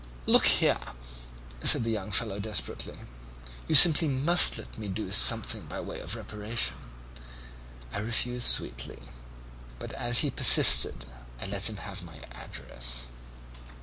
"'Look here,' said the young fellow desperately, 'you simply must let me do something by way of reparation.' "I refused sweetly, but as he persisted I let him have my address.